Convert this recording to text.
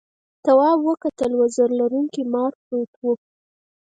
تواب وکتل وزر لرونکي مار پروت و.